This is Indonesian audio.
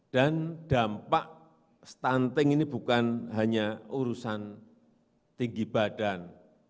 dan dampak stunting ini bukan hanya urusan tinggi badan